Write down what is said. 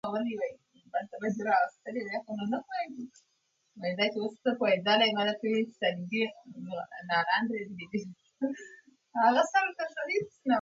خو هڅه غواړي.